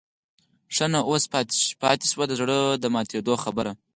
ښه نو اوس پاتې شوه د زړه د ماتېدو خبره.